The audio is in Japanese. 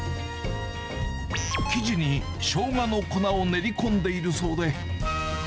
生地にショウガの粉を練り込んでいるそうで。